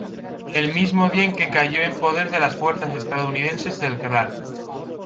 El mismo día en que cayó en poder de las fuerzas estadounidenses del Gral.